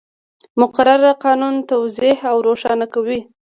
مقرره قانون توضیح او روښانه کوي.